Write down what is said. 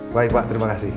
baik pak terima kasih